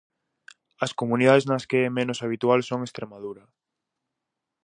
As comunidades nas que é menos habitual son Estremadura.